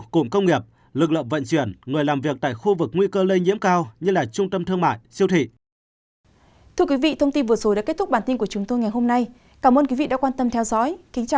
cụm công nghiệp lực lượng vận chuyển người làm việc tại khu vực nguy cơ lây nhiễm cao như trung tâm thương mại siêu thị